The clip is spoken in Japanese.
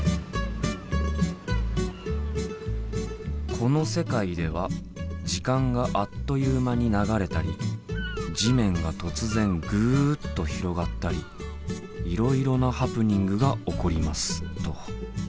「この世界では時間があっという間に流れたり地面が突然ぐっと広がったりいろいろなハプニングが起こります」と。